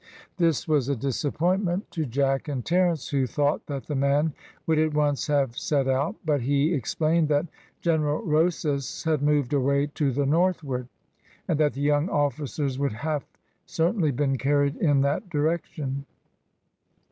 This was a disappointment to Jack and Terence, who thought that the man would at once have set out; but he explained that General Rosas had moved away to the northward, and that the young officers would have certainly been carried in that direction.